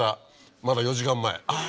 まだ４時間前あぁ